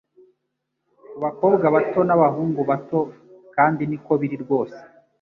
Kubakobwa bato nabahungu bato kandi niko biri rwose